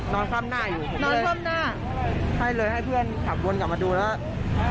คว่ำหน้าอยู่นอนคว่ำหน้าใช่เลยให้เพื่อนขับวนกลับมาดูแล้ว